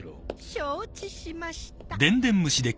承知しました。